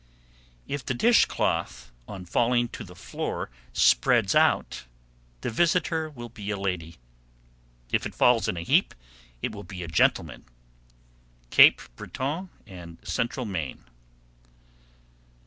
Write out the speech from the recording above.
_ 748. If the dish cloth on falling to the floor spreads out, the visitor will be a lady; if it falls in a heap, it will be a gentleman. _Cape Breton and Central Maine.